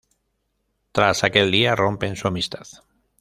Tras aquel día, rompen su amistad.